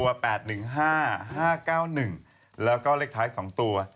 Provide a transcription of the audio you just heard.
ห้าแปดหนึ่งห้าห้าเก้าหนึ่งแล้วก็เลขท้ายสองตัว